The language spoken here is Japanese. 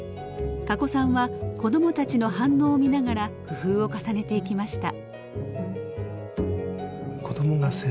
かこさんは子どもたちの反応を見ながら工夫を重ねていきました。